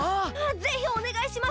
ぜひおねがいします。